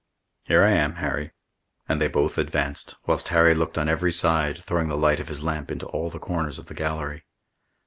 "Here I am, Harry." And they both advanced, whilst Harry looked on every side, throwing the light of his lamp into all the corners of the gallery.